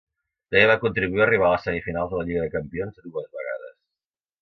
També va contribuir a arribar a les semifinals de la Lliga de campions dues vegades.